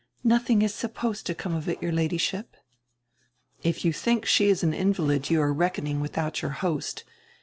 "Nothing is supposed to come of it, your Ladyship." "If you diink she is an invalid you are reckoning with out your host.